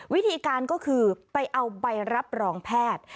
วิธีการก็คือไปเอาใบรับรองแพทย์